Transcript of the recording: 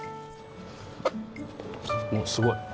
おおすごい。